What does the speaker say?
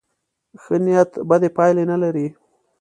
ښه نیت بدې پایلې نه لري.